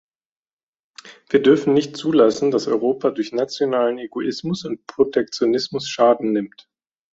Wir dürfen nicht zulassen, dass Europa durch nationalen Egoismus und Protektionismus Schaden nimmt.